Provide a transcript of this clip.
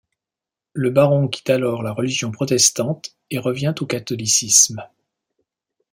Le baron quitte alors la religion protestante et revient au catholicisme.